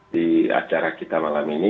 di acara kita malam ini